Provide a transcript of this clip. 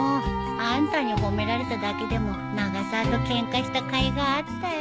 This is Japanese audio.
あんたに褒められただけでも永沢とケンカしたかいがあったよ。